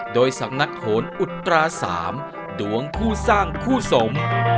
โดยสำนักโหนอุตรา๓ดวงผู้สร้างคู่สม